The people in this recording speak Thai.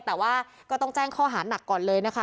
แต่ว่าก็ต้องแจ้งข้อหานักก่อนเลยนะคะ